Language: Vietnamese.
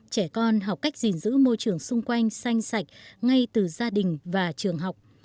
trẻ con học cách gìn giữ môi trường xung quanh xanh sạch ngay từ gia đình và trường học